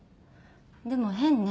でも変ね。